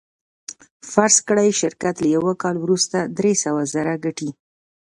فرض کړئ شرکت له یوه کال وروسته درې سوه زره ګټي